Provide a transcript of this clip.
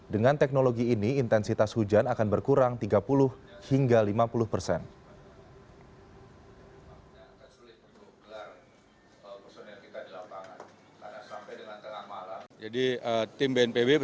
dengan teknologi ini intensitas hujan akan berkurang tiga puluh hingga lima puluh persen